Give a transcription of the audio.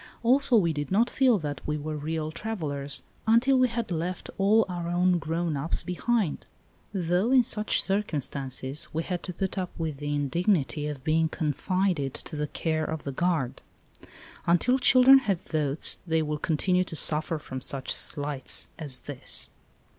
Also we did not feel that we were real travellers until we had left all our own grown ups behind, though in such circumstances we had to put up with the indignity of being con fided to the care of the guard. Until children have votes they will continue to suffer from such slights as this